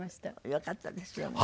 よかったですよね。